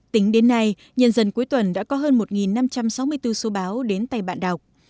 tính đến nay nhân dân cuối tuần đã có hơn một năm trăm sáu mươi bốn số báo đến tay bạn đọc